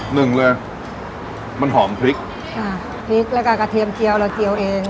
หนึ่งเลยมันหอมพริกค่ะพริกแล้วก็กระเทียมเจียวเราเจียวเอง